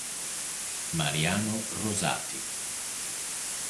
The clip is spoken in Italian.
Mariano Rosati